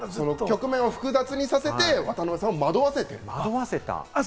局面を複雑にさせて渡辺さんを惑わせた。